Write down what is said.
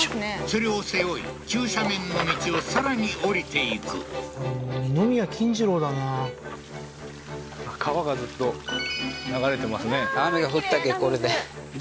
それを背負い急斜面の道をさらに下りていく二宮金次郎だな川がずっと流れてますね